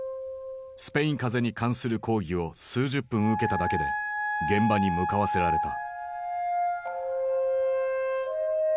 スペイン風邪に関する講義を数十分受けただけで現場に向かわせられた。